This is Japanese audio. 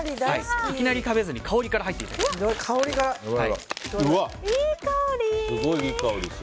いきなり食べずに、香りから入っていただきたいです。